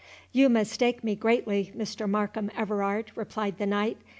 "You mistake me greatly, Mr. Markham Everard," replied the knight.